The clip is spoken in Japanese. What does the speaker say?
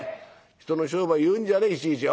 人の商売言うんじゃねえいちいち。